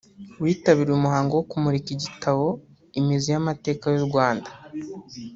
witabiriye umuhango wo kumurika igitabo “Imizi y’amateka y’u Rwanda”